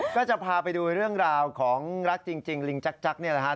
ก็จะพาไปดูเรื่องราวของรักจริงลิงจักรนี่แหละครับ